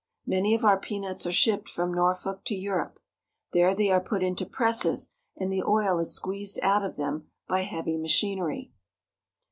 Many of our peanuts are shipped from Norfolk to Eu rope. There they are put into presses, and the oil is squeezed out of them by heavy machinery.